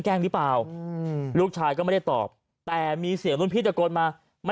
แก้งหรือเปล่าลูกชายก็ไม่ได้ตอบแต่มีเสียงพี่จะกดมามา